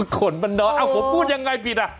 ขนมันน้อยผมพูดยังไงผิดอ่ะ